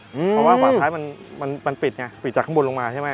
เพราะว่าขวาท้ายมันปิดไงปิดจากข้างบนลงมาใช่ไหม